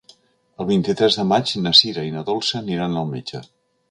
El vint-i-tres de maig na Sira i na Dolça aniran al metge.